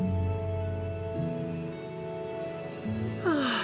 ああ。